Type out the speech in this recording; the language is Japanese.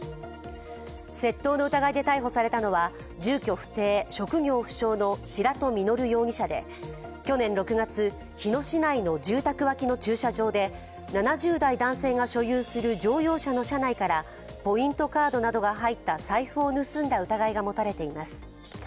窃盗の疑いで逮捕されたのは、住居不定・職業不詳の白土稔容疑者で去年６月、日野市内の住宅脇の駐車場で７０代男性が所有する乗用車の車内からポイントカードなどが入った財布を盗んだ疑いがもたれています。